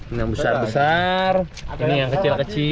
ini yang besar besar ini yang kecil kecil